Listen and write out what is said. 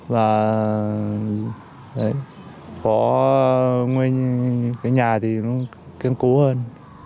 và có cái nhà thì nó kiên cố hơn